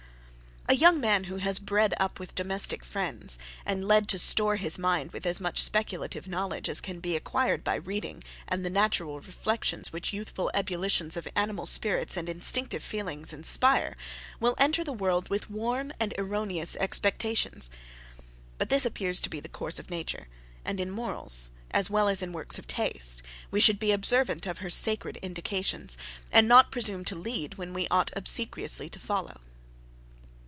A young man who has been bred up with domestic friends, and led to store his mind with as much speculative knowledge as can be acquired by reading and the natural reflections which youthful ebullitions of animal spirits and instinctive feelings inspire, will enter the world with warm and erroneous expectations. But this appears to be the course of nature; and in morals, as well as in works of taste, we should be observant of her sacred indications, and not presume to lead when we ought obsequiously to follow.